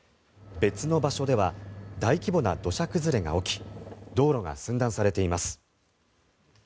別の場所では大規模な土砂崩れが起き道路が寸断されています。